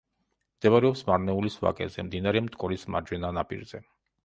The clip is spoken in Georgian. მდებარეობს მარნეულის ვაკეზე, მდინარე მტკვრის მარჯვენა ნაპირზე.